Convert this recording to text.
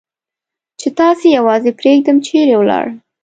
چې تاسې یوازې پرېږدم، چېرې ولاړ؟